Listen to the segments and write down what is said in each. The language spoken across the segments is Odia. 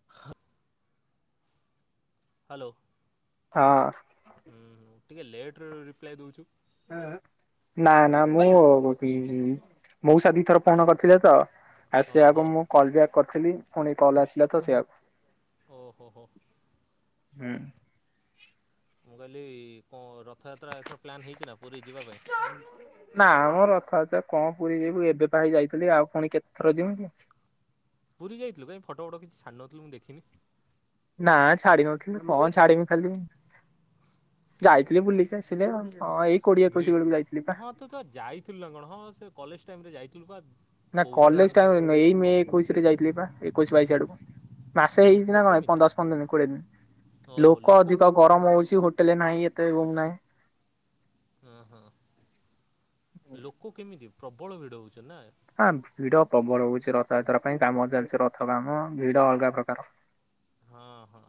[inaudible] ହ୍ୟାଲୋ। ହଁ। ହୁଁ ହୁଁ ଟିକିଏ ଲେଟରେ ରିପ୍ଲାଏ ଦଉଛୁ। ନା ନା ମୁଁ [unintelligible] ମଉସା ଦିଇ ଥର ଫୋନ କରିଥିଲେ ତ ଆଉ ଓହୋ ସିଆଡୁ ମୁଁ କଲ ବ୍ୟାକ୍ କରିଥିଲି ପୁଣି କଲ୍ ଆସିଲା ତ ସେ ଆଉ ଓ ହୋ ହୋ। ହୁଁ। ମୁଁ କହିଲି କଣ ରଥଯାତ୍ରା ଏଥର ପ୍ଲାନ୍ ହେଇଛି ନା ପୁରୀ ଯିବା ପାଇଁ? ନା ମ ରଥଯାତ୍ରା କଣ ପୁରୀ ଯିବୁ ଏବେ ପା ଯାଇଥିଲି ଆଉ ପୁଣି କେତେଥର ଯିମି କି? ପୁରୀ ଯାଇଥିଲୁ କାଇଁ ଫଟ ଫଟୋ କିଛି ଛାଡ଼ ନଥିଲୁ ମୁଁ ଦେଖିନି। ନା ଛାଡି ନଥିଲି କଣ ଛାଡମି ଖାଲି? ଯାଇଥିଲି ବୁଲି। ହଁ ଇ [unintelligible] ହଁ ତୁ ତ ଯାଇଥିଲୁ ନା କଣ ହଁ ସେ କଲେଜ ଟାଇମ୍ ରେ ଯାଇଥିଲୁ ବା। ନା କହୁଥିଲୁ ବା କଲେଜ ଟାଇମ ରେ ନୁହେଁ। ଏଇ ମେ ଏକୋଇଶ ରେ ଯାଇଥିଲି ବା, ଏକୋଇଶି ବାଇଶି ଆଡକୁ। ମାସେ ହେଇଛି ଲୋକ ନା କଣ କେମିତି ପନ୍ଦ ଦଶ ପନ୍ଦର ଦିନ କୋଡ଼ିଏ ଦିନ। ଓହୋ ଲୋକ କେ ଅଧିକ ଗରମ ହଉଛି ହୋଟେଲ ନାହିଁ ଏତେ ରୁମ ନାହିଁ। ହଁ ହଁ। ଲୋକ କେମିତି ପ୍ରବଳ ଭିଡ ହଉଛନ ନା? ହଁ ଭିଡ ପ୍ରବଳ ହଉଛି ରଥଯାତ୍ରା ପାଇଁ କାମ ଚାଲିଛି ରଥ କାମ ଭିଡ ଅଲଗା ପ୍ରକାର। ହଁ ହଁ।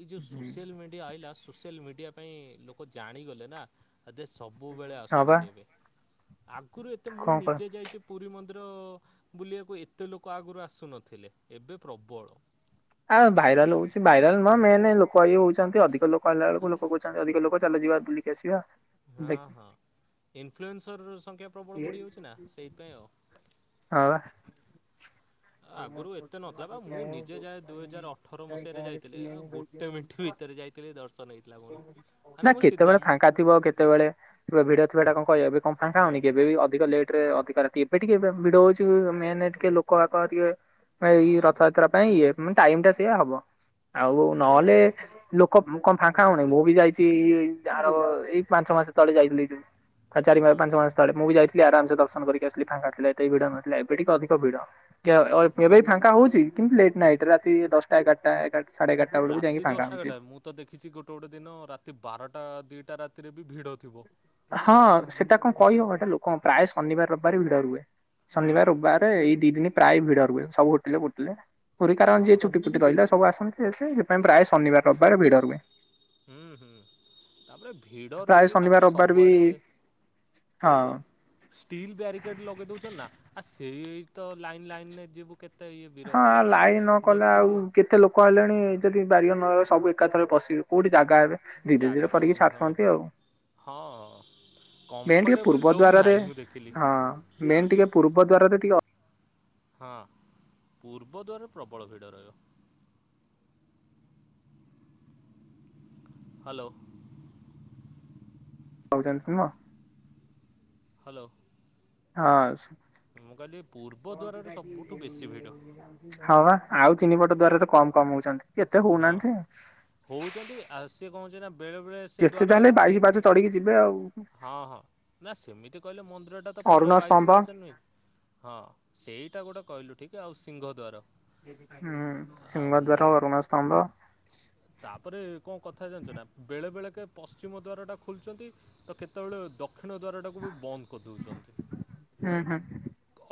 ଏ ଯୋଉ ହୁଁ ସୋସିଆଲ ମିଡ଼ିଆ ଆଇଲା ସୋସିଆଲ ମିଡ଼ିଆ ପାଇଁ ଲୋକ ଜାଣିଗଲେ ନା ହେଦେ ସବୁବେଳେ ହଁ ବା ଆସୁଛନ୍ତି ଏବେ। ଆଗରୁ ଏତେ ମୁଁ କଣ କହ ନିଜେ ଯାଇଛି ପୁରୀ ମନ୍ଦିର ବୁଲିବାକୁ ଏତେ ଲୋକ ଆଗରୁ ଆସୁନଥିଲେ, ଏବେ ପ୍ରବଳ। ଆଉ ଭାଇରାଲ ହଉଛି ଭାଇରାଲ ନୁହଁ ମେନେ ଲୋକ ଇଏ ହଉଛନ୍ତି। ଅଧିକ ଲୋକ କହିଲା ବେଳକୁ ଲୋକ କହୁଛନ୍ତି ଅଧିକ ଲୋକ ଚାଲ ଯିବା ବୁଲିକି ଆସିବା। ହଁ ଦେଖ ହଁ। ଇନଫ୍ଲୁଏନ୍ସର ର ସଂଖ୍ୟା ପ୍ରବଳ ବଢ଼ିଯାଉଛି ନା ସେଇଥିପାଇଁ ଆଉ। ହଁ ବା। ଆଗରୁ ଏତେ ନଥିଲା ବା। ମୁଁ ନିଜେ ଯାଏ ଦୁଇ ହଜାର ଅଠର ମସିହାରେ ଯାଇଥିଲି ଇଏ ଅ ହଁ ଗୋ ଟେ ମିଠି ବା। ଭିତରେ ଯାଇଥିଲି ଦର୍ଶନ ହେଇଥିଲା ମୋର ନା ହେନେ ମୁଁ ସିଧା କେତେବେଳେ ଫାଙ୍କା ମୁଁ କେତେବେଳେ ଥିବ ଭିଡ ରେ ଥିବ ହେଟା କଣ କହି ଏବେ କଣ ହଁ [unintelligible] କେବେ ବି ଅଧିକ ଲେଟ ରେ ଅଧିକ ଏବେ ଟିକେ ଏବେ ଭିଡ ହଉଛି ମେନ ଟିକେ ଲୋକ ବାକ ଟିକେ ହଁ ଏଇ ରଥଯାତ୍ରା ପାଇଁ ଇଏ ଉଁ ଟାଇମ ଟା ସିଏ ହବ ଆଉ ଟାଇମ୍ ନହେଲେ ଲୋକ ଉଁ କଣ ଫାଙ୍କା ହଉନାହିଁ ମୁଁ ବି ଯାଇଛି ଯାହାର ଏଇ ପାଞ୍ଚ ମାସ ତଳେ ଯାଇଥିଲି। ଅ ଚାରି ପା ହଁ ପାଞ୍ଚ ମାସ ତଳେ ମୁଁ ବି ଯାଇଥିଲି ଆରାମ ସେ ଦର୍ଶନ କରିକି ଆସିଲି ଫାଙ୍କା ଥିଲା ଏିତେ ବି ଭିଡ଼ ନଥିଲା। ଏବେ ଟିକେ ଅଧିକ ଭିଡ। ଏବେ ବି ଫାଙ୍କା ହଉଛି କିନ୍ତୁ ଲେଟ୍ ହୁଁ। ନାଇଟ୍ ରାତି ଦଶଟା ଏଗାରଟା ଏଗାର ସାଢେ ଏଗାରଟାେଳକୁ ରାତି ଯାଇକି ଫାଙ୍କା ଦଶଟା ଏଗାରଟା ହଉଚି ମୁଁ ତ ଦେଖିଛି ଗୋଟେ ଗୋଟେ ଦିନ ରାତି ବାରଟା ଦିଇଟା ରାତିରେ ବି ଭିଡ଼ ଥିବ ହଁ ସେଟା କଣ କହିଁ ହବ ଗୋଟେ ଲୋକ ହଁ ପ୍ରାୟ ଶନିବାର ରବିବାର ଭିଡ ରୁହେ ଶନିବାର ରବିବାର ଏଇ ଦି ଦିନ ପ୍ରାୟ ଭିଡ ରୁହେ ସବୁ ହୋଟେଲ ବୋଟିଲେ ପୁରି ତାର ହଁ ଯିଏ ହଁ ଛୁଟି ଫୁଟି ରହିଲା ସବୁ ଆସନ୍ତି ସେ ସେଇ ହୁଁ ହୁଁ ତାପରେ ଭିଡ ପ୍ରାୟ ରହୁଛି ଶନିବାର ତାପରେ ରବିବାର ବି ସବୁଆଡେ ହଁ କୋନ କହ ଷ୍ଟିଲ୍ ବ୍ୟାରିକେଡ ଲଗେଇ ଦଉଛ ନା ଆ ସେଇଇ ତ ଲାଇନ୍ ଲାଇନରେ ଯିବୁ କେତେ ଇଏ ବିରକ୍ କଲେ ମାନେ ଦେଖିଲି ଆଉ ଏତେ ଲୋକ ଆଲେଣି ଯଦି ବାରିଏ ନହେଲେ ସବୁ ଏକାଥରେ ପଶିବୁ କୋଉଠି ଜାଗା ହେବେ ଧୀରେ ଜାଗା ଧୀରେ ତ କରିକି ହଉନି ହଁ ଛାଡ଼ନ୍ତି ଆଉ ହଁ ହଁ ମେନ୍ ଟିକେ କମ୍ଫର୍ଟେବୁଲ୍ ପୂର୍ବ ଜୋନ୍ ଦ୍ୱାରରେ ନାହିଁ ମୁଁ ଦେଖିଲି ହଁ ମେନ୍ ଟିକେ ପୂର୍ବ ଦ୍ୱାରରେ ଟିକେ ହଁ ପୂର୍ବ ଦ୍ୱାରରେ ପ୍ରବଳ ଭିଡ଼ ରହିବ ହ୍ୟାଲୋ ହଉଛନ୍ତି ନା ହ୍ୟାଲୋ ଆ ଶ୍ ମୁଁ କହିଲି ପୂର୍ବ ଦ୍ୱାରରେ ସବୁଠୁ ବେଶୀ ଭିଡ଼ ହଁ ବା ଆଉ ତିନିପଟ ଦ୍ଵାରରେ କମ କମହଉଛନ୍ତି ଏତେ ହଁ ହଉନାହାନ୍ତି ହଉଛନ୍ତି ଆଉ ସିଏ କଣ କହୁଛି ନା ବେଳେ ବେଳେ ସେ ଯେତେ ଦ୍ୱାର ଉ ଚାହିଁଲେ ବାଇଶି ମୁ ପାହାଚ ଚଢିକି ଯିବେ ଆଉ ହ ହ ନାଁ ସେମିତି କହିଲେ ମନ୍ଦିର ଟା ତ ପୁରା ଅରୁଣ ବାଇଶ ସ୍ତମ୍ଭ ପାହାଚ ନୁହେଁ ହଁ ସେଇଟା ଗୋଟେ କହିଲୁ ଠିକେ ଆଉ ସିଂହ ଦ୍ୱାର ହୁଁ ସିଙ୍ଗଦ୍ୱାର ଅରୁଣ ସ୍ଥମ୍ଭ ତାପରେ କଣ କଥା ଜାଣିଛ ନା ବେଳେ ବେଳେ କେ ପଶ୍ଚିମ ଦ୍ୱାରଟା ଖୋଲଛନ୍ତି। ତ କେତେବେଳେ ଦକ୍ଷିଣ ଦ୍ୱାରର ଟାକୁ ବି ବନ୍ଦ କରିଦଉଛନ୍ତି। ହଁ ହଁ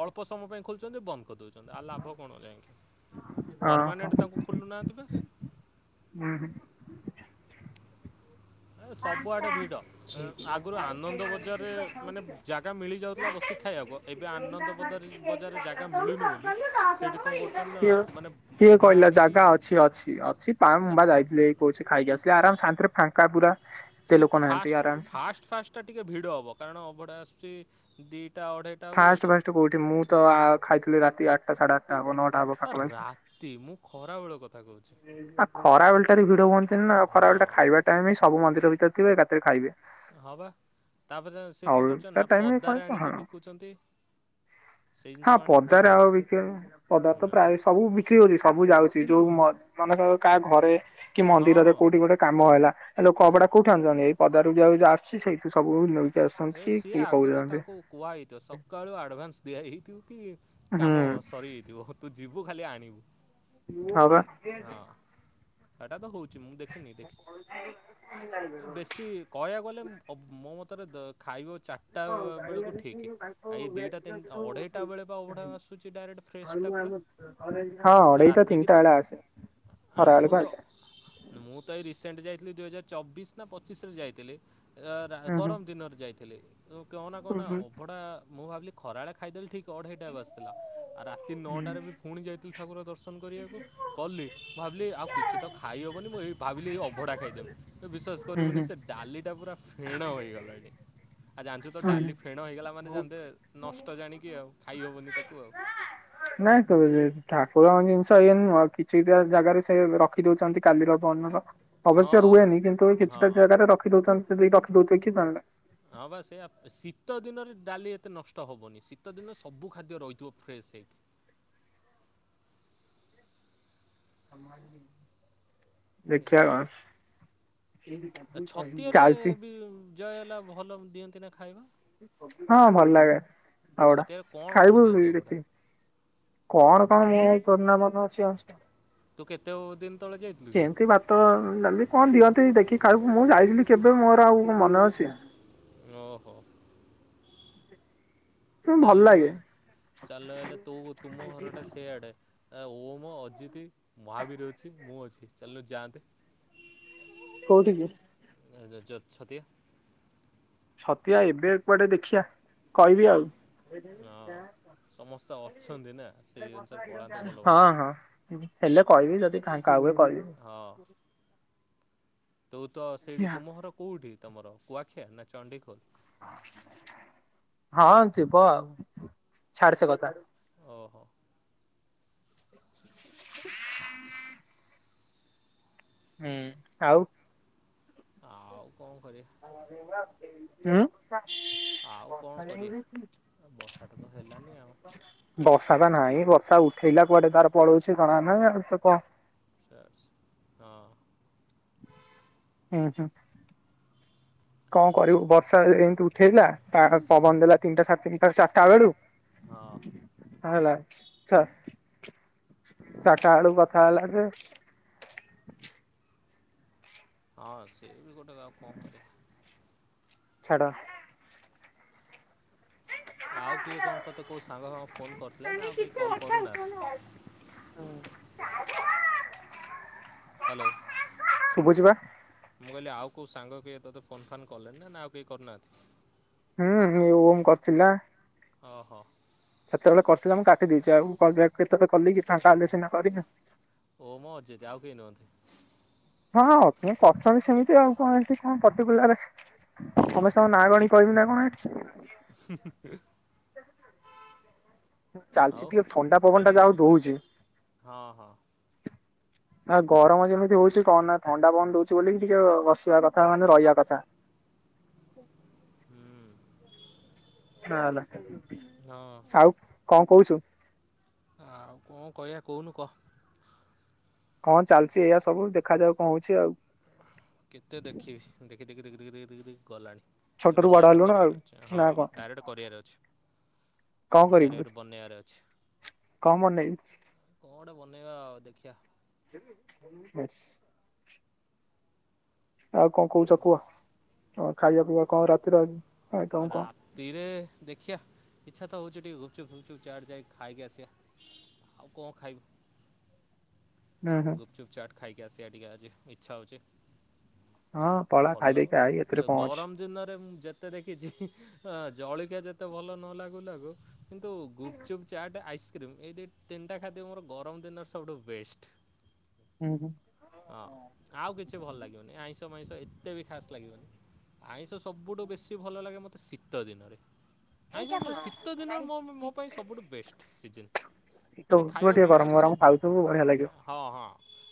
ଅଳ୍ପ ସମୟ ପାଇଁ ଖୋଲୁଛନ୍ତି। ବନ୍ଦ କରିଦଉଛନ୍ତି ଆଉ ଲାଭ କଣ ଯାଇକି ଓହୋ ପରମାନେଣ୍ଟ ତାଙ୍କୁ। ଖୋଲୁନାହାନ୍ତି। ବା ହୁଁ ଏ ସବୁଆଡ଼େ ଭିଡ଼ ଏ ଆଗରୁ କିଏ ଆନନ୍ଦ ବଜାରରେ ମାନେ ଜାଗା ମିଳି ଯାଉଥିଲା ବସି ଖାଇବାକୁ। ଏବେ ଆନନ୍ଦ ବଦାର ବଜାର ଜାଗା ମିଳୁନି ବୋଲି ସେଇଠି କଣ କରୁଛନ୍ ନା ମାନେ। କିଏ ଅବଢ଼ା କହିଲା ଆଣିକି ଜାଗା ଅଛି ଅଛି ଅଛି। ପା ମୁମ୍ ଯାଇଥିଲେ କହୁଛି ଖାଇକି ଆସିଲେ ଆରାମ ଶା ଫାଙ୍କା ପୁରା ସେ ଏତେ ଲୋକ ନାହାନ୍ତି। ଆରାମସ ଫାଷ୍ଟ ଫାଷ୍ଟ ଟା ଟିକେ ଭିଡ଼ ହବ କାରଣ ଅଭଡ଼ା ଆସୁଛି ଦିଟା ଅଢ଼େଇ। ଫାଷ୍ଟ ଫାଷ୍ଟ କୋଉଠି ମୁଁ ତ ଆ -ଖାଇଥିଲି। ରାତି ଆଠଟା ସାଢେ ଆଠଟା ହବ ନଅଟା ହବ ପାଖ ପା ତି ମୁଁ ଖରାବେଳଳେ କଥା କହୁଛି। ଆ ଖରାବେଲଟାରେ ଭିଡ ହୁଅନ୍ତିନି ନା ଖରାବେଳଟା ହଁ ଖାଇବା ଟାଇମ ହିଁସବୁ ମନ୍ଦିର ଭିତରେ ଥିବେ ଏକାଥ ରେ ଖାଇବେ। ହବା ତାପରେ ସେ ଆଉ କଣ କରୁଛନ୍ତି। ତା ନା ଟାଇମ କଣ ପଦାରେ ହଁ ଆଣିକି ବିକୁଛନ୍ତି। ସେଇ ହଁ ଜିନିଷକୁ ଆଣିକି ପଦାରେ ଆଉ ବିକିବେନି ନା ପଦା ତ ପ୍ରାୟ ସବୁ ବି ଠି ହଉଛି ସବୁ ଯାଉଛି ଯୋଉ ମ ମନେକର କାହା ଘରେ କି ହଁ ହଁ ମନ୍ଦିରରେ ହଁ କୋଉଠି ଗୋଟେ କାମ ହେଲା ଲୋକ ହୁଁ ଅଭଡ଼ା କୋଉଠି ଆଣିଛନ୍ତି ଏଇ। ପଦାରୁ ଜିଆ ଯା ଆଶୁଛି ସେଇଠୁ ସବୁନଉଛି ଏ ସିଏ ଆଗରୁ ତାଙ୍କୁ କୁଆ ହେଇଥିବ ସକାଳୁ ଆଡ଼ଭାନ୍ସ ଦିଆ ହେଇଥିବ କି ହୁଁ କାମ ସରି ଥିବ। ତୁ ଯିବୁ ଖାଲି ଆଣିବୁ ହଁ ବା ହଁ ଏଟା ତ ହେଉଛି ମୁଁ ଦେଖିନି ଦେଖିଛି ଏ ବେଶୀ କହିବାକୁ ଗଲେ ମୋ ମତରେ ଦ ଖାଇବ ଚାରିଟା ବେଳକୁ ଠିକ୍ ଏଇ ଦୁଇଟା ତିନିଟା ଅଢ଼େଇଟା ବେଳେ ବା ଅବଢା ଆସୁଛି ଡାଇରେକ୍ଟ ଫ୍ରେଶଟା ପୁରା। ହଁ ଅଡେଇ ତ ତିନିଟା ବେଳେ ଆସେ। ଆ ଖରା ମୁଁ ବେଳକୁ ତ ଆସେ। ମୁଁ ତ ଏଇ ରିସେଣ୍ଟ ଯାଇଥିଲି। ଦୁଇ ହଜାର ଚବିଶ ନା ପଚିଶ ରେ ଯାଇଥିଲି। ହୁଁ ହୁଁ ଗରମ ଦିନରେ ଯାଇଥିଲେ କହନା କହନା ହୁଁ ଅଭଢଡା ମୁଁ ଭାବିଲି। ଖରାବେ ଖାଇଦେଲେ ଠିକ ଅଢ଼ଇଟା ବି ବସିଥିଲାଉ। ତିନି ନଅଟାରେ ବି ପୁଣି ଯାଇଥିଲୁ ଠାକୁର ଦର୍ଶନ କରିବାକୁ। କଲି ମୁ ଭାବିଲି ଆଉ କିଛି ତ ଖାଇହବନି ମୁଁ ଏ ଭାବିଲି ଏଇ ଅଭଢ଼ା ଖାଇଦେଉି ବିଶ୍ୱାସ। ହୁଁ କରିବୁନି ହୁଁ ସେ ଡାଲି ଟା ପୁରା ଫେଣ ହେଇଗଲାଣି। ଆଉ ଜାଣିଛୁ ତ ଡାଲି ଫେଣ ହେଇଗଲା ମାନେ ଜାଣନ୍ତେ ନଷ୍ଟ ଜାଣିକି ଆଉ ଖାଇହବନି ତାକୁ ଆଉ। ନାଇଁ କ ଠାକୁରଙ୍କ ଜିନିଷ ଏଇ ନହଁ କିଛିଟା ଜାଗାରେ ସେ ରଖ। ଦଉଛନ୍ତି କାଲିର ବବନର। ହଁ ଅବଶ୍ୟ ରୁହେନି କିନ୍ତୁ ଅ, କିଛିଟା ହଁ। ଜାଗାରେ ରଖିଦଉଛନ୍ତି ଯି ରଖିଦଉଥେ କି ଜାଣ। ହଁ ବା ସେ ଶୀତ ଦିନରେ ଡାଲି ଏତେ ନଷ୍ଟ ହେବନି। ଶୀତ ଦିନରେ ସବୁ ଖାଦ୍ୟ ରହିଥିବ ଫ୍ରେସ ହେଇକି। [inaudible] କଣ ଏଇଆାଉ ଛତିଆରେ ଚାଲିଛି ବି ଜୟ ହେଲା। ଭଲ ଦିଅନ୍ତି ନା ଖାଇବା। ହଁ ଭଲ ଲାଗେ ଆଉ ଗୁଡା ଛତିଆରେ କଣ କଣ ଖାଇବୁ ଦିଅନ୍ତି ଅଭଡ଼ା ଦେଛି। କଣ କଣ ମୁ କରୋନା ମନ ଅଛି। ତୁ କେତେ ଦିନ ତଳେ ଯାଇଥିଲୁ କି। ତ ଯାଲି କଣ ଦିଅନ୍ତି ଦେଖି କାହାକୁ ମୁଁ ଯାଇଥିଲି। କେବେ ମୋର ଆଉ ମନେ ଅଛି। ଓହୋ। ଭଲ ଚାଲ ଲାଗେ ଚାଲୁ ହେଲେ ତ ତୁମ ଘରଟେ ସେଆଡ଼େ। ଆ ଓ ମୋ, ଅଜିତ, ମହାବୀର, ଅଛି ମୁଁ ଅଛି ଚାଲିଲୁ ଯାଆନ୍ତେ। କୋଉଠିକ କି? [unintelligible] ସତଆ ଏବେ କୁଆଡେ ଦେଖିଆ କହିବି ଆଉ। ହଁ ସମସ୍ତେ ଅଛନ୍ତି ନା [inaudible] ସେଇ ଅନୁସାରେ ପଳାନ୍ତେ ଭଲ ହଁ ହୁଅନ୍ତା ହଁ। ହେଲେ କହିବି ଯଦି କାଁ କ ଆଗ କହିବି। ହଁ। ତୁ ତ ସେଇଠି ତୁମ ଘର କୋଉଁଠି ତମର କୁଆଖିଆ ନା ଚଣ୍ଡଖୋଲ? ହଁ ଯିବ ଆଉ ଛାଡ ସେ କଥା। ଓହୋ। ହଁ। ହୁଁ ଆଉ। ଆଉ କଣ କରିବା। ହଁ। ହ। ଆଉ କ ଣ କରିବା ବର୍ଷାଟା ତ ହେଲାନି ଆଉ। ବର୍ଷା ତ ନାହିଁ ବର୍ଷା ଉଠେଇଲା କୁଆଡେ ତାର ପଳଉଛି କଣା ନାହିଁ ଆଉ ତ କହ। ହଁ। ହୁଁ ହୁଁ। କଣ କରିବୁ ବର୍ଷା ଏମିତି ଉଠେଇଲା ପବନ ଦେଲା ତିନିଟା ସାତ ତିିଟା ଚାରିଟା ବେଳୁ। ହଁ। ହେଲା ଚାଟ ଆଳୁ କଥା ହେଲା ଯେ, ହଁ ସେଏ ବି ଗୋଟେ ଗଉ କଣ କରିଆ। ଛାଡ଼। ଆଉ କିଏ କଣ ତୋତେ କୋଉ ସାଙ୍ଗ ସାଙ୍ଗ ଫୋନ କରିଥିଲେ ନା ଆଉ କେହି କଲ୍ କରୁନାହା। ହୁଁ। ହ୍ୟାଲୋ। ମୁଁ କହିଲି ଆଉ କୋଉ ସାଙ୍ଗ କିଏ ତୋତେ ଫୋନ ଫାନ୍ କଲେଣି ନା ନା ଆଉ କେହି କରିନାହାନ୍ତି। ହୁଁ ଓମ୍ କରିଥିଲା। ଓ ହୋ। ସେତେବେଳେ କରିଥିଲା ମୁଁ କାଟି ଦେଇଛି ଆଉ କଲ୍ ବ୍ୟାକ କେତେବେଳେ କଲି କି। ଫାଙ୍କା ହେଲେ ସିନା କରିବି ଓମ୍ ଅଜିଦ୍ ଆଉ କେହି ନୁହନ୍ତି। ହଁ କରୁଛନ୍ତି ସେମିତି ଆଉ କଣ ଏଠି କଣ ପର୍ଟିକୁଲାର ସମସ୍ତଙ୍କ ନାଁ ଗଣି କି କହିବି ନା କଣ ଏଠି। [inaudible] ମୁଁ ଚାଲିଚି ଆଉ ଟିକେ ଥଣ୍ଡା ପବନ ଟା ଯା ହଉ ଦଉଛି। ହଁ ହଁ। ନା ଗରମ ଯେମିତି ହଉଛି କଣ ନା ଥଣ୍ଡା ପନ୍ ଦଉଛି ବୋଲି ଟିକେ ବସିବା କଥା ମାନେ ରହିବା କଥା। ହୁଁ। ହ ହେଲା ହଁ ଆଉ କଣ କହୁଚୁ। ଆଉ କଣ କହିବା କହୁନୁ କହ। କଣ ଚାଲିଛି ଏଇଆ ସବୁ ଦେଖାଯାଉ କଣ ହଉଛି ଆଉ। କେତେ ଦେଖିବି ଦେଖି ଦେଖି ଦେଖି ଦେଖ ଦେଖି ଦେଖି ଦେଖି ଗଲାଣି। ଏବେ ଛୋଟରୁୁ ବଡ ଡାଇରେକ୍ଟ ହେଲୁଣି ଆଉ କରିବାର ଅଛି ହଁ ନା କଣ ଡାଇରେକ୍ଟ କରିବାର ଅଛି। କଣ କରିବୁ କ୍ୟାରିଅର୍ ବନେଇବାରେ ଅଛି କଣ ବନେଇବୁ କଣ ବନେଇବା ଆ ଦେଖିବା। ବାସ୍। ଆଉ କଣ କହୁଛ କୁହ ହ ଖାଇବା ପିଇବା କଣ ରାତିରେ ଆଜି। ରାତିରେ ଦେଖିଆ। ଇଚ୍ଛା ତ ହଉଛି ଟିକେ ଘୁପଚୁପ ଫୁପଚୁପ୍ ଚାଟ ଯାଇ ଖାଇକି ଆସିବା ଆଉ କଣ ଖାଇବୁ। ହୁଁ ହୁଁ ଗୁପଚୁପ ଚାଟ୍ ଖାଇକି ଆସିବା ଟିକେ ଆଜି ଇଚ୍ଛା ହଉଛି। ହଁ ପଳା ଭଲ ଖାଇଦେଇକି ଲାଗୁନି ଆଇ ଏ ଏଥିରେ କଣ ଅଛି ଗରମ ଦିନରେ ମୁ ଯେତ ତେ ଦେଖିଛି ଆ ଜଳିକିଆ ଯେତେ ଭଲ ନ ଲାଗୁ ଲାଗୁ କିନ୍ତୁ ଗୁପଚୁପ୍ ଚାଟ୍ ଆଇସ୍ କ୍ରିମ୍ ଏଇ ଦି ତିନିଟା ଖାଦ୍ୟ ମୋର ଗରମ ଦିନର ସବୁଠୁ ବେଷ୍ଟ। ହୁଁ ହୁଁ ହଁ ଆଉ କିଛି ଭଲ ଲାଗିବନି ଏ ଆଇଁଷ ମାଇଁଷ ଏତେ ବି ଖାସ ଲାଗିବନି ଆଇଁଷ ସବୁଠୁ ବେଶୀ ସୀ ଭଲ ଲାଗେ ମତେ ଶୀତ ଦିନରେ। [unintelligible] ଶୀତ ଦିନ ମୋ ମୋ ପାଇଁ ସବୁଠୁ ବେଷ୍ଟ ସିଜିନ୍। ମାନେ ଦଉଥିବ ଖାଇବା ଟିକେ ପିଇବା ଗରମ ଗରମ ସବୁ ହଁ ଖାଉଥିବୁ ଆଁ। ବଢିଆ ଲାଗିବ। ହଁ ହଁ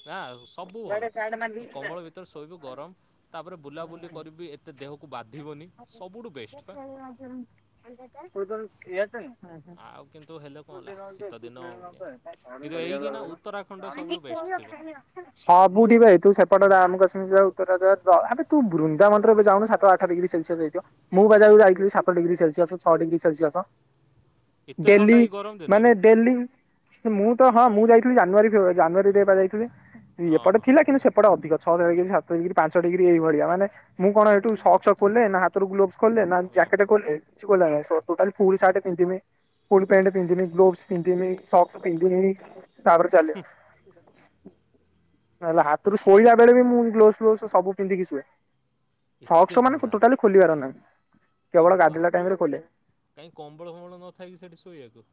ନା ଆଉ ସବୁ ଭଲ ଅ ଅ କମ୍ବଳ ଭିତରେ ଶୋଇବୁ ଗରମ ତାପରେ ବୁଲାବୁଲି କରୁ ବି ଏତେ ତେ ଦେହକୁ ବାଧିବନି। ସବୁଠୁ ବେଷ୍ଟ ପା। ଆଉ [unintelligible] କିନ୍ତୁ ହେଲେ [unintelligible] କଣ ହେଲା ଶୀତଦିନ କିନ୍ତୁ ଏଇକିନା ଉତ୍ତରାଖଣ୍ଡ ସବୁଠୁ ବେଷ୍ଟ ଥିବ ସବୁଠି ବେ ତୁ ସେପଟ ଜାମୁ କାଶ୍ମୀର ଯା ଉତ୍ତରା ଯା ଆବେ ତୁ ବୃନ୍ଦାବନରେ ଏବେ ଯାଉନୁ ସାତ ଆଠ ଡିଗ୍ରୀ ସେଲସି ସେସ୍ ହେଇଥିବ ମୁଁ ବା ଯେବେ ଯାଇଥିଲି ସାତ ଡିଗ୍ରୀ ସେଲସିଅସ୍ ଛ ଡିଗ୍ରୀ ସେଲସିୟସ। ଏତେ ଥଣ୍ଡା ଡେଲି ଏଇ ଗରମ ଦିନରେ ମାନେ ଡେଲି ମୁଁ ତ ହଁ ମୁଁ ଯାଇଥିଲି ଜାନୁଆରୀ ଫେବୁଆରି ଜାନୁଆରୀ ରେ ବା ଯାଇଥିଲି ହଁ ଏପଟେ ହଁ ଥିଲା କିନ୍ତୁ ସେ ସେପଟେ ଅଧିକ ଛଅ ଡିଗ୍ରୀ ସାତ ଡିଗରୀ ପାଞ୍ଚ ଡିଗ୍ରୀ ଏଇଭଳିଆ ମାନେ ମୁଁ କଣ ଏଠୁ ସକ୍ସ ଖୋଲେ ନା ହାତରୁ ଗ୍ଲୋସ ଖୋଲେ ନା ଜାକେଟ ଓହୋ। ଖୋଲେ କିଛି ଖୋଲାଯାଏ ସବୁ ଖାଲି ଫୁଲ୍ ସାର୍ଟ ପିନ୍ଧଥିମି ଫୁଲ ପେଣ୍ଟ ପିନ୍ଧିମି ଗ୍ଲୋବ୍ସ ପିନ୍ତିମ୍ ସକ୍ସ ପିନ୍ତିମ୍ ତାପରେ ଚାଲିବା। [inaudible] ନହଲେ ହାତରୁ ଶୋଇଲା ବେଳେ ବି ମୁଁ ଗ୍ଲୋଭସ୍ ଫ୍ଲୋବସ ସବୁ ପିନ୍ଧିକି ଶୁଏ ଏତେ ସକ୍ସ ମାନେ ଥଣ୍ଡା ଫୁ ଟୋଟାଲି ଖୋଲିବାର ନାହିଁ। ଏ କେବଳ ଗାଧେଇଲା ଟାଇମ ବାପ ରେ ଖୋଲେ। କାଇଁ କମ୍ବଳ ଫମ୍ବଳ ନଥାଏ କି ସେଠି ଶୋଇବାକୁ।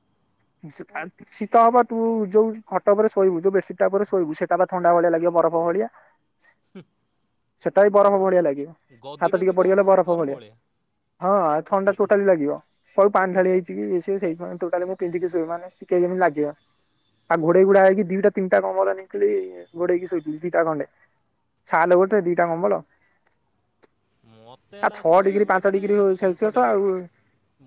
[inaudible] ଶୀତ ହବ ତୁ ଯୋଉ ଖଟ ଉପରେ ଶୋଇବୁ ଯୋଉ ବେଡସିଟ୍ ଟା ଉପରେ ଶୋଇବୁ ସେଟା ବା ଥଣ୍ଡା ଭଳିଆ ଲାଗିବ ବରଫ ଭଳିଆ। ସେଟା ବି ବରଫ ଭଳିଆ ଲାଗିବ ହାତ ଗଦିଟା ଟିକେ ବି ପଡିଗଲେ ଗ- ବରଫ ଭଳିଆ। ହଁ ଆଉ ଥଣ୍ଡା ଟୋଟାଲି ଲାଗିବ ସଉୁ ପାଣି ଢାଳି ହେଇଛି କି ସେ ସେଇଠା ଟୋଟାଲେ ମୁଁ ପିନ୍ଧିକି ଶୋଇବି ମାନେ ସେ କେମତି ଲାଗିବ? ଆଉ ଘୋଡେଇ ଘୋଡା ହେକି ଦିଟା ତିନିଟା କମଳ ନେଇଥିଲି ଘୋଡେଇକି ଶୋଇଥିଲି ଦିଟା ଖଣ୍ଡେ। ସାଲେ ଗୋଟେ ଦିଇଟା କମ୍ବଳ। ମୋତେ ଆଉ ହେଲା ଛଅ ଡିଗ୍ରୀ ଶୋଇବାବେଳେ ପାଞ୍ଚ ମାନେ ଡିଗ୍ରୀ ସେଲସିୟସ ଆଉ କମ୍ଫର୍ଟେବୁଲ୍।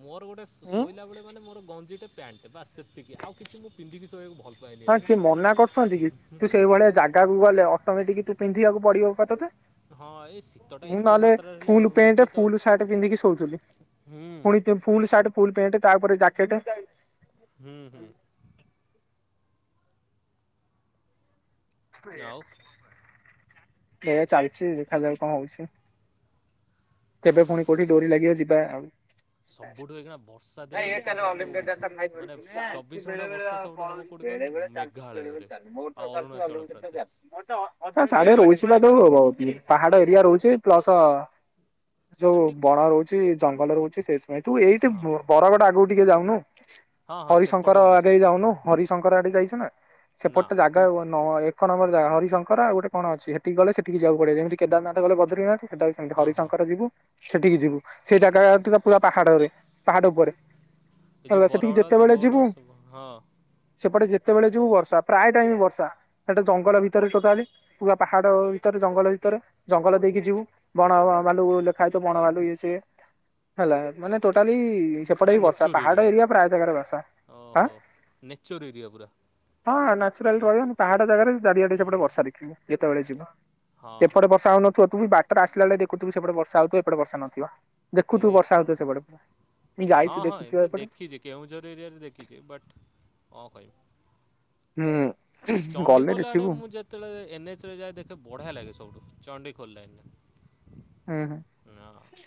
ମୋର ଗୋଟେ ଉଁ ଶୋଇଲା ବେଳେ ମାନେ ମୋର ଗଞ୍ଜିଟେ ପ୍ୟାଣ୍ଟ ବାସ୍ ସେତିକି। ଆଉ କିଛି ମୁଁ ପିନ୍ଧିକି ଶୋଇଆକୁ ଭଲ ପାଏନି ଏତ୍ ହଁ କିଏ ମନା କରୁଛନ୍ତି କି? ତୁ ସେଇଭଳିଆ ଜାଗାକୁ ଗଲେ ଅଟୋମେଟିକ ତୁ ପିନ୍ଧିବାକୁ ପଡିବ ପା ତତେ। ହଁ ଏଇ ଶୀତଟା ଏତେ ନହେଲେ ମାତ୍ରାରେ ହେଲେ ଆଉ ଫୁଲ ପ୍ୟାଣ୍ଟ ନିଶ୍ଚିତ ଫୁଲ ସାର୍ଟ ପିନ୍ଧିକି ଶୋଉଥିଲି ହୁଁ ପୁଣି ସେ ଫୁଲ ସାର୍ଟ ଫୁଲ ପେଣ୍ଟ ତାଉପରେ ଜ୍ୟାକେଟେ। ହୁଁ ହୁଁ। ଆଉ ଏଇଆ ଚାଲିଛି ଦେଖାଯାଉ କଣ ହଉଛି? କେବେ ପୁଣି କୋଉଠି ଡୋରି ଲାଗିବ ଯିବା ଆଉ। ସବୁଠୁ ଏଇଖିଣା ବର୍ଷା ଦିନ ଭିତରେ ସବୁଠୁ ମାନେ ଚବିଶ ଘଣ୍ଟା ବର୍ଷା ସବୁଠୁ ହବ କୋଉଠି କହନି ମେଘାଳୟରେ ଆ ଅରୁଣ ତା ସାଢେ ରହୁଛିଲା ତ [unintelligible] ପାହାଡ ଏରିଆ ରହୁଚି ପ୍ଲସ ଯୋଉ ସେଠି ବଣ ଖ- ରହୁଚି ଜଙ୍ଗଲ ରହୁଚି ସେ ନାଇ ତୁ ଏଇଠି ହଁ ବରଗଡ ଆଗକୁ ଟିକେ ଯାଉନୁ। ହଁ ହଁ ସେପଟ ହରିଶଙ୍କର ଓଡ଼ିଶା ଆଗେଇ ଯାଉନୁ ହରିଶଙ୍କର ଆଡେ ଯାଇଛୁ ନା? ନା ସେପଟେ ତୁ ଜାଗା ନଁ ଏକ ନମ୍ବର ଜାଗା ହରିଶଙ୍କର ଆଉ ଗୋଟ କଣ ଅଛି? ଗଲେ ସେଠିକି ଯିବାକୁ ପଡିବ ଯେମିତି କେଦାରନାଥ ଗଲେ ବଦ୍ରୀନାଥ ସେଟା ଆଉ ସେମିତି ହଁ ହଁ ହରିଶଙ୍କର ଯିବୁ। ସେଠିକି ଯିବୁ ସେ ଜାଗାଠୁ ତ ପୁରା ପାହାଡରେ ପାହାଡ଼ ଉପରେ ଏ ଯେଉଁ ହେଲେ ସେଠିକି ବରଗଡ଼ ଯେତେବେଳେ ଦେବଗଡ଼ ଯିବୁ ସବୁ ହଁ ସେପଟେ ଯେତେବେଳେ ଯିବୁ ବର୍ଷା। ପ୍ରାୟ ଟାଇମ ବର୍ଷା। ସେଟା ଜଙ୍ଗଲ ଭିତରେ ଟୋଟାଲି ପୁରା ପାହାଡ ଭିତରେ ଜଙ୍ଗଲ ଭିତରେ ଜଙ୍ଗଲ ଦେଇକି ଯିବୁ। ବଣ ଭା ଭାଲୁ ଲେଖାହଇଥିବ ତ ବଣ ଭଲୁ ଇଏ ସିଏ ହେଲା ମାନେ ଟୋଟାଲି ସେପଟେ ପୁରା ବି ବର୍ଷା ନେଚର୍ ପାହାଡ ଏରିଆ ପ୍ରାୟ ଯାଗାରେ ବର୍ଷା। ଆଁ ଓହୋ ନେଚର୍ ଏରିଆ ପୁରା ହଁ ନାଚୁରାଲି ରହିବନି। ପାହାଡ ଜାଗାରେ ଚାରିଆଡେ ସେପଟେ ବର୍ଷା ଦେଖିବୁ ଯେତେବେଳେ ଯିବ। ହଁ ଏପଟେ ବର୍ଷା ହଉନଥିବ ତୁ ବି ବାଟରେ ଆସିଲା ବେଳେ ଦେଖୁଥୁବୁ ସେପଟେ ବର୍ଷା ହଉଥିବ ଏପଟେ ବର୍ଷା ନଥିବ। ଦେଖୁଥୁବୁ ଏରି ବର୍ଷା ହଉଥିବ ସେପଟେ ପୁରା ମୁଁ ହଁ ଯାଇଛି ହଁ ଦେଖୁଥିବ ଏମିତି ଏପଟେ। ଦେଖିଛି କେଉଁଝର ଏରିଆରେ ଦେଖିଛି ବଟ୍ ଅଁ କହିବ ହୁଁ ଗଲେ ଚଣ୍ଡିଖୋଲ ଆଡେ ଦେଖିବୁ ମୁଁ ଯେତ୍ ତେବେଳେ ଏନ୍ଏଚ ରେ ଯାଏ ଦେଖେ ବଢ଼ିଆ ଲାଗେ ସବୁଠୁ ଚଣ୍ଡିଖୋଲ ଲାଇନରେ। ହୁଁ ହୁଁ। ନା